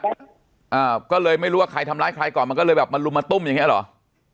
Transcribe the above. อ่าก็เลยไม่รู้ว่าใครทำร้ายใครก่อนมันก็เลยแบบมาลุมมาตุ้มอย่างเงี้เหรอ